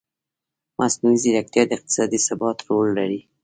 مصنوعي ځیرکتیا د اقتصادي ثبات رول لري.